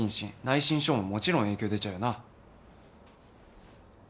内申書ももちろん影響出ちゃうよな。